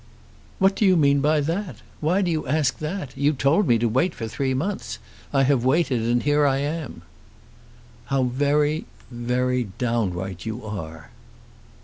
"What do you mean by that? Why do you ask that? You told me to wait for three months. I have waited, and here I am." "How very very downright you are."